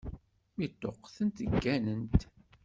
Mi ṭṭuqtent, gganent.